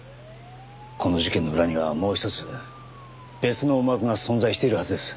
この事件の裏にはもう一つ別の思惑が存在しているはずです。